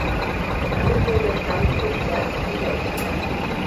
Damit zählt der Stamm zu den stärksten in Deutschland.